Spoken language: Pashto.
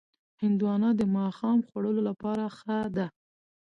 هندوانه د ماښام خوړلو لپاره ښه ده.